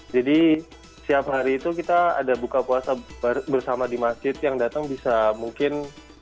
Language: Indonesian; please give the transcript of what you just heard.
jadi setiap hari itu kita ada buka puasa bersama di masjid yang datang bisa mungkin